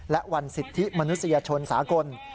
และวันสิทธิมนุษยชนสากล